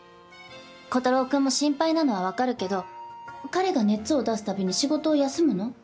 炬太郎くんも心配なのは分かるけど彼が熱を出すたびに仕事を休むの？